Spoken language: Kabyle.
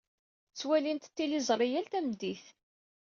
Ttwalint tiliẓri yal tameddit.